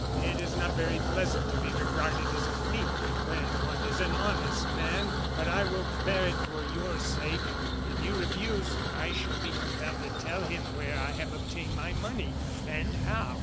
It is not very pleasant to be regarded as a thief, when one is an honest man, but I will bear it for your sake. If you refuse, I shall be compelled to tell him where I have obtained my money and how."